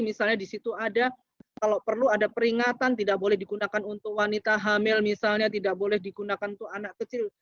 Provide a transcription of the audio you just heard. misalnya di situ ada kalau perlu ada peringatan tidak boleh digunakan untuk wanita hamil misalnya tidak boleh digunakan untuk anak kecil